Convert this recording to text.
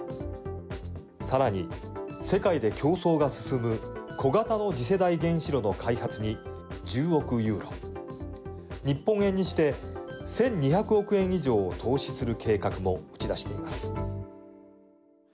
さらに、世界で競争が進む小型の次世代原子炉の開発に１０億ユーロ、日本円にして１２００億円以上を投資する計画も打ち出しています。